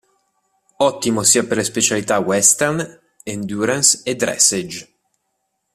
Ottimo sia per le specialità "western", "endurance" e "dressage".